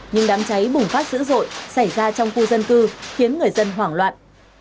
nhưng đám cháy bùng phát dữ dội xảy ra trong khu dân cư khiến người dân hoảng loạn